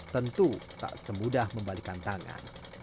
tentu tak semudah membalikan tangan